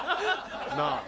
なあ。